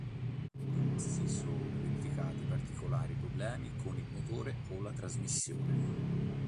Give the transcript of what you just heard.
Non si sono verificati particolari problemi con il motore o la trasmissione.